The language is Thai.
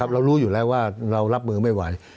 เรารู้อยู่แล้วว่าเรารับมือไม่ไหว